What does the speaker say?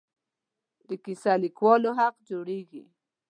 د کیسه لیکوالو حق جوړېږي.